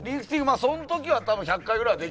まあその時は多分１００回ぐらいは。